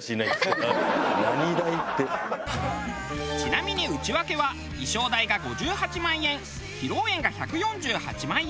ちなみに内訳は衣装代が５８万円披露宴が１４８万円